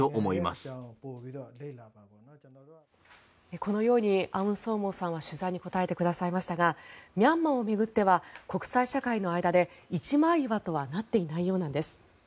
このようにアウンソーモーさんは取材に答えてくださいましたがミャンマーを巡っては国際社会の間で一枚岩とはなっていないようなんです。